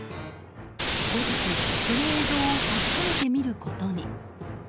後日、その映像を確かめてみることに。